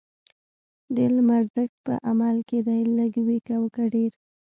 د علم ارزښت په عمل کې دی، لږ وي او که ډېر.